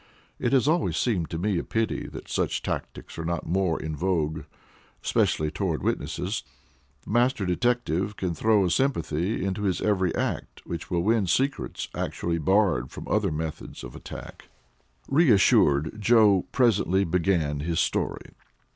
It has always seemed to me a pity that such tactics are not more in vogue, especially toward witnesses. The master detective can throw a sympathy into his every act which will win secrets actually barred from other methods of attack. Reassured, Joe presently began his story.